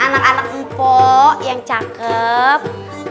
anak anak hipo yang cakep